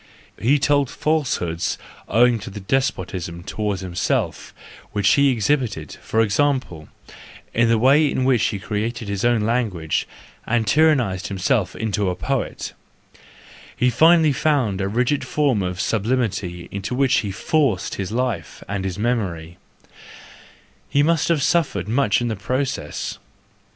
He told falsehoods owing to the despotism toward himself which he exhibited, for example, in the way in which he created his own language, and tyrannised himself into a poet:—he finally found a rigid form of sublimity into which he forced his life and his memory; he must have suffered much in the process.